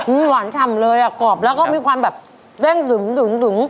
หวานฉ่ำเลยอ่ะกรอบแล้วก็มีความแบบเด้งดึง